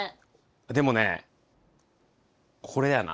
でもねこれやな。